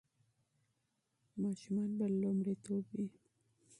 ماشومان به لومړیتوب وي.